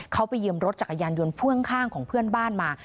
เขาไปยืมรถจักรยานยนต์พ่วงข้างของเพื่อนบ้านมา